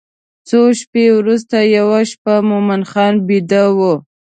څو شپې وروسته یوه شپه مومن خان بیده و.